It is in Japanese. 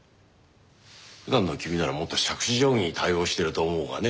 普段の君ならもっと杓子定規に対応してると思うがね。